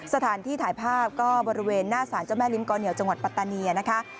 สถานที่ถ่ายภาพก็บริเวณหน้าสารเจ้าแม่ลิ้มกอเหนียวจังหวัดปัตตาเนียนะคะ